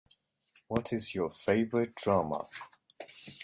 What is your favorite drama?